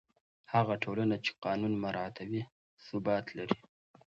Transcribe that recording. هغه ټولنه چې قانون مراعتوي، ثبات لري.